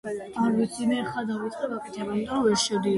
წარმოიქმნება ყინულის ოთხი ნაკადის შეერთებით.